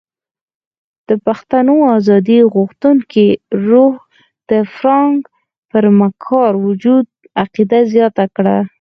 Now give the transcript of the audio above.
د پښتنو ازادي غوښتونکي روح د فرنګ پر مکار وجود عقیده زیاته کړه.